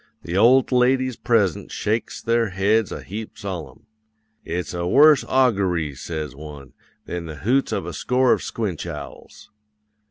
The old ladies present shakes their heads a heap solemn. "'"It's a worse augoory," says one, "than the hoots of a score of squinch owls."